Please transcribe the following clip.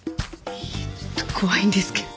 ちょっと怖いんですけど。